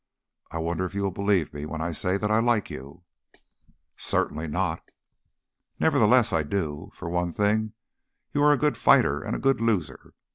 I wonder if you will believe me when I say that I like you." "Certainly not." "Nevertheless, I do. For one thing, you are a good fighter and a good loser.